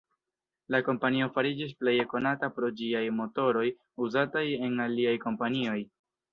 La kompanio fariĝis pleje konata pro ĝiaj motoroj uzataj en aliaj kompanioj.